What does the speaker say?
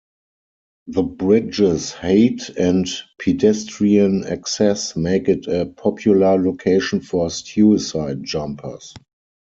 The bridge's height and pedestrian access make it a popular location for suicide jumpers.